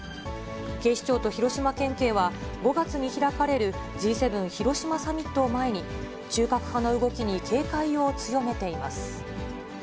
警視庁と広島県警は、５月に開かれるＧ７広島サミットを前に、中核派の動きに警戒を強めています。